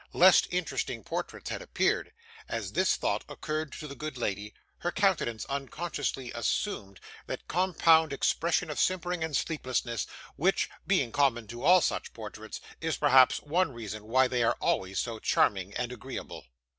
Less interesting portraits had appeared. As this thought occurred to the good lady, her countenance unconsciously assumed that compound expression of simpering and sleepiness which, being common to all such portraits, is perhaps one reason why they are always so charming and agreeable.